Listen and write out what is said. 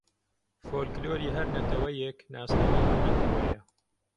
فۆلکلۆری هەر نەتەوەیێک ناسنامەی ئەو نەتەوەیە